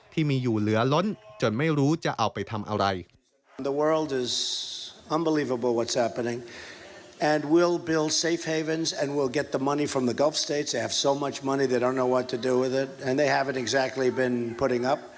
ที่มีอยู่เหลือล้นจนไม่รู้จะเอาไปทำอะไร